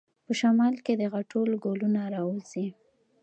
په شمال کې د غاټول ګلونه راوځي.